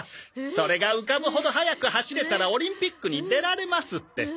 それが浮かぶほど速く走れたらオリンピックに出られますって。